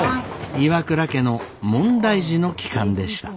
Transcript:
岩倉家の問題児の帰還でした。